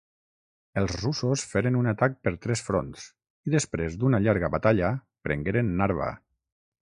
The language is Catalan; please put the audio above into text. Els russos feren un atac per tres fronts i després d'una llarga batalla prengueren Narva.